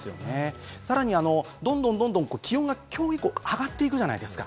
さらにどんどん気温が今日以降上がっていくじゃないですか。